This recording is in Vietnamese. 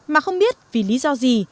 mà không biết vì lý do gì